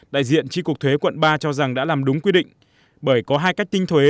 đại diện tri cục thuế quận ba cho rằng đã làm đúng quy định bởi có hai cách tinh thuế